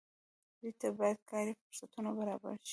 دوی ته باید کاري فرصتونه برابر شي.